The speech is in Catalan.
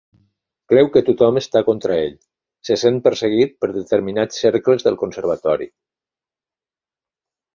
Creu que tothom està contra ell, se sent perseguit per determinats cercles del Conservatori.